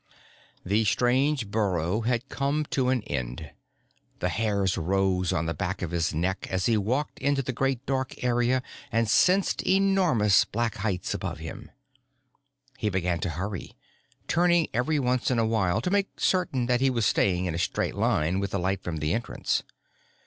The strange burrow had come to an end. The hairs rose on the back of his neck as he walked into the great dark area and sensed enormous black heights above him. He began to hurry, turning every once in a while to make certain that he was staying in a straight line with the light from the entrance.